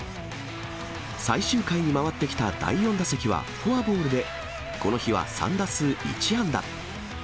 最終回に回ってきた第４打席はフォアボールで、この日は３打数１安打。